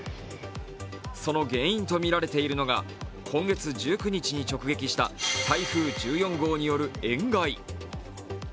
その原因とみられているのが今月１９日に直撃した台風１４号による塩害。